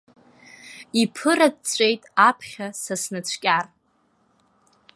Иԥырыҵәҵәеит аԥхьа са снацәкьар!